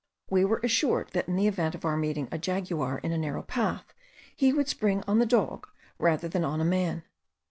We were assured that in the event of our meeting a jaguar in a narrow path he would spring on the dog rather than on a man.